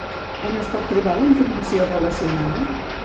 On es pot trobar la informació relacionada?